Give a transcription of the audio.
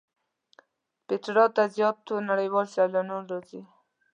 پېټرا ته زیات نړیوال سیلانیان راځي.